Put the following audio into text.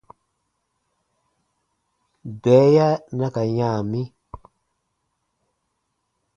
Bɛɛya na ka yã mi.